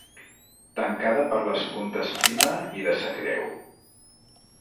Tancada per les puntes Prima i de Sa Creu.